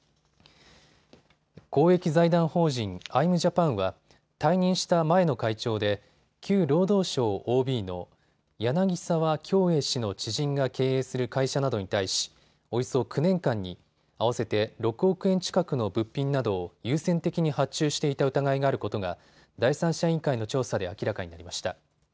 公益財団法人アイム・ジャパンは退任した前の会長で旧労働省ＯＢの柳澤共榮氏の知人が経営する会社などに対しおよそ９年間に合わせて６億円近くの物品などを優先的に発注していた疑いがあることが第三者委員会の調査で明らかになりました。